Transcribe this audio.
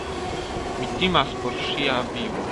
Mi timas por ŝia vivo.